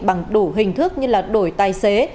bằng đủ hình thức như là đổi tài xế